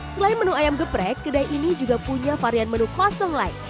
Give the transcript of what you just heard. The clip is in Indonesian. selain menu ayam geprek kedai ini juga punya varian menu kosong lain